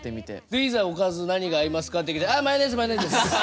でいざおかず何が合いますかって聞いたら「あっマヨネーズマヨネーズです。